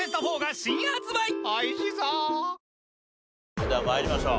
それでは参りましょう。